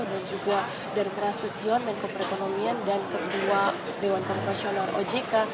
dan juga dari kerajaan stukion dan keperekonomian dan kedua dewan konfesional ojk